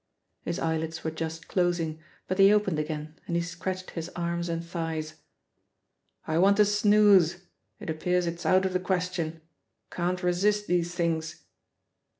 His eyelids were just closing, but they opened again and he scratched his arms and thighs: "I want a snooze! It appears it's out of the question. Can't resist these things."